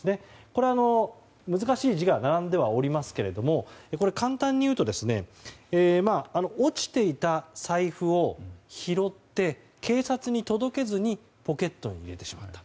これは、難しい字が並んではおりますが簡単に言うと落ちていた財布を拾って警察に届けずにポケットに入れてしまった。